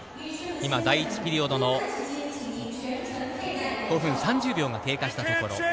今、第１ピリオドの５分３０秒が経過したところ。